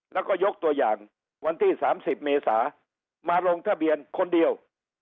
แล้วก็ยกตัวอย่างวันที่๓๐เมษามาลงทะเบียนคนเดียว